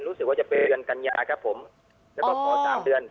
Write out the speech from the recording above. รู้สึกว่าจะเป็นเดือนกัญญาครับผมแล้วก็ขอสามเดือน